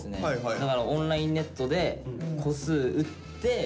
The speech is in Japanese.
だからオンラインネットで個数打って。